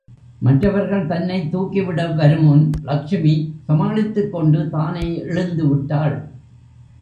மற்றவர்கள் தன்னைத் தூக்கிவிட வருமுன், லக்ஷ்மி சமாளித்துக்கொண்டு தானே எழுந்துவிட்டாள்.